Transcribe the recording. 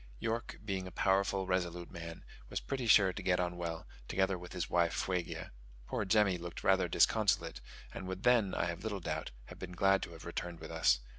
York, being a powerful resolute man, was pretty sure to get on well, together with his wife Fuegia. Poor Jemmy looked rather disconsolate, and would then, I have little doubt, have been glad to have returned with us.